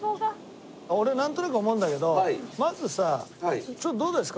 俺なんとなく思うんだけどまずさどうですか？